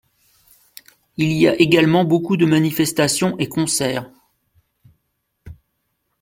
Il y a également beaucoup de manifestations et concerts.